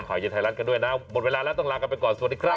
ข่าวเย็นไทยรัฐกันด้วยนะหมดเวลาแล้วต้องลากันไปก่อนสวัสดีครับ